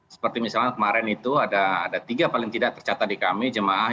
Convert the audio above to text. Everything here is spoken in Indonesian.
seperti misalnya kemarin itu ada tiga paling tidak tercatat di kami jemaah